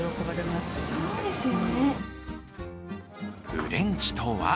フレンチと和。